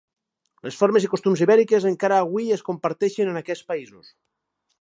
Les formes i costums ibèriques encara avui es comparteixen en aquests països.